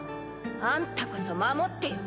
あんたこそ守ってよ